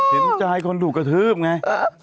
เห็นใจคนถูกกระทืบไง